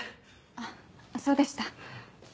あっそうでした。